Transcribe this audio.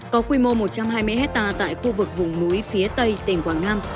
có quy mô một trăm hai mươi hectare tại khu vực vùng núi phía tây tỉnh quảng nam